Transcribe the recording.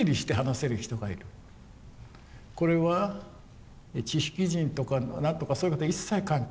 これは知識人とか何とかそういうことは一切関係ない。